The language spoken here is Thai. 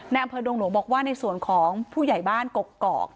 อำเภอดงหลวงบอกว่าในส่วนของผู้ใหญ่บ้านกกอก